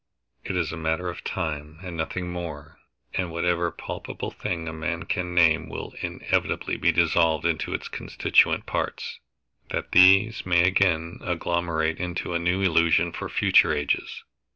It is a matter of time, and nothing more, and whatever palpable thing a man can name will inevitably be dissolved into its constituent parts, that these may again agglomerate into a new illusion for future ages.